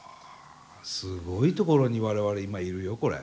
すごいところに我々今いるよこれ。